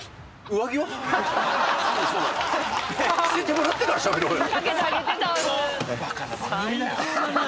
着せてもらってからしゃべろうよ。